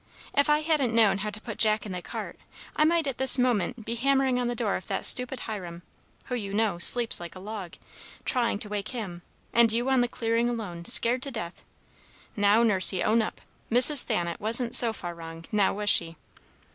If I hadn't known how to put Jack in the cart, I might at this moment be hammering on the door of that stupid Hiram (who, you know, sleeps like a log) trying to wake him, and you on the clearing alone, scared to death. Now, Nursey, own up: Mrs. Thanet wasn't so far wrong, now was she?"